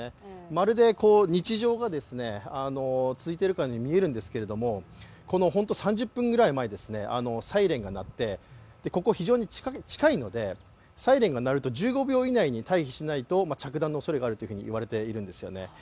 まるで日常が続いているかに見えるんですけれども、この３０分ぐらい前にサイレンが鳴ってここ、非常に近いので、サイレンが鳴ると１５秒以内に退避しないと着弾する可能性があると言われているんですね